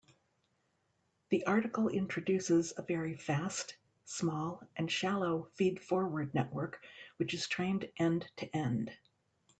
The article introduces a very fast, small, and shallow feed-forward network which is trained end-to-end.